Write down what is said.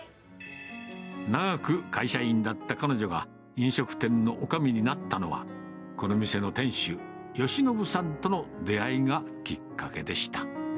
長く会社員だった彼女が飲食店のおかみになったのは、この店の店主、義信さんとの出会いがきっかけでした。